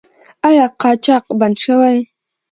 آیا قاچاق بند شوی؟